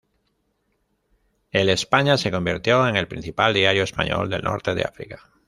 El "España" se convirtió en el principal diario español del norte de África.